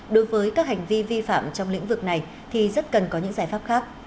đối với các hành vi vi phạm trong lĩnh vực này thì rất cần có những giải pháp khác